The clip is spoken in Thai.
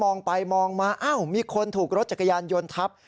มองไปมองมามีคนถูกรถจักรยานยนต์ทับ